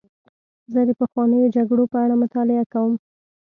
زه د پخوانیو جګړو په اړه مطالعه کوم.